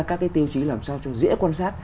các cái tiêu chí làm sao cho dễ quan sát